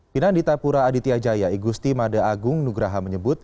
pinan di taipura aditya jaya igusti mada agung nugraha menyebut